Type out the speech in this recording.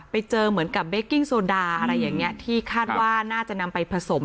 ไปเจอเหมือนกับเบกกิ้งโซดาอะไรอย่างนี้ที่คาดว่าน่าจะนำไปผสม